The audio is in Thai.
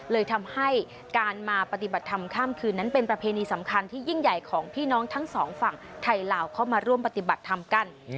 เลยทำให้การมาปฏิบัติธรรมข้ามคืนนั้นเป็นประเพณีสำคัญที่ยิ่งใหญ่ของพี่น้องทั้งสองฝั่งไทยลาวเข้ามาร่วมปฏิบัติธรรมกัน